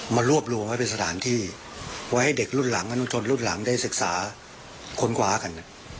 มารวบรวมไว้เป็นสถานที่ไว้ให้เด็กรุ่นหลังมนุชนรุ่นหลังได้ศึกษาค้นคว้ากัน